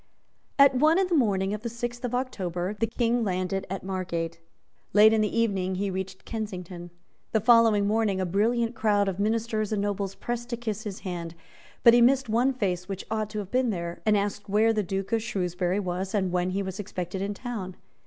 At one in the morning of the sixth of October, the King landed at Margate. Late in the evening he reached Kensington. The following morning a brilliant crowd of ministers and nobles pressed to kiss his hand; but he missed one face which ought to have been there, and asked where the Duke of Shrewsbury was, and when he was expected in town.